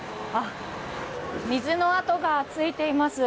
水の跡がついています。